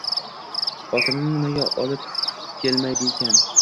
Xotinini nimaga olib kelmadiykin